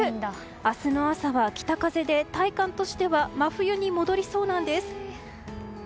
明日の朝は北風で体感としては真冬に戻りそうなんです。